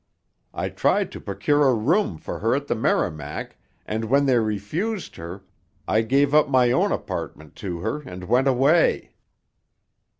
I tried to procure a room for her at the Merrimac, and when they refused her, I gave up my own apartment to her and went away."